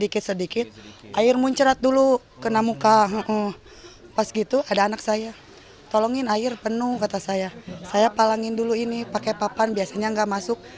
kalangin dulu ini pakai papan biasanya nggak masuk